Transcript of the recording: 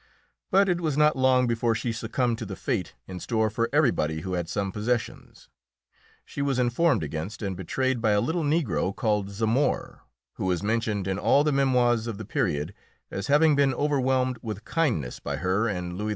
But it was not long before she succumbed to the fate in store for everybody who had some possessions. She was informed against and betrayed by a little Negro called Zamore, who is mentioned in all the memoirs of the period as having been overwhelmed with kindness by her and Louis XV.